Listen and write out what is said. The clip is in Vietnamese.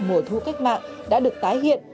mùa thu cách mạng đã được tái hiện